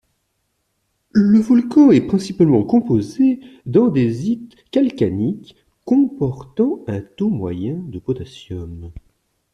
Le volcan est principalement composé d'andésite calcaline comportant un taux moyen de potassium.